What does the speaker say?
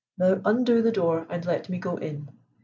"Now undo the door and let me go in."